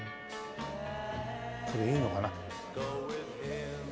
これいいのかな？